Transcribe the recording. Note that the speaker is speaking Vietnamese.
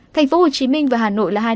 tp hcm và hà nội là hai địa phương